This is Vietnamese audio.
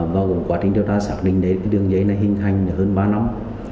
vào cuối quá trình điều tra xác định đường dây này hình thành hơn ba năm